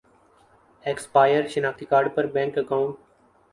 expire شناختی card پر bank account